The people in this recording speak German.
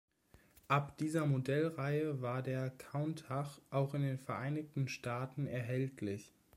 Ab dieser Modellreihe war der Countach auch in den Vereinigten Staaten erhältlich.